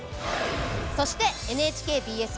そしてＮＨＫＢＳ